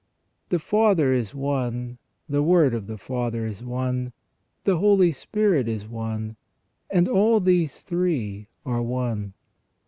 The Father is one, the Word of the Father is one, the Holy Spirit is one ; and all these three are one.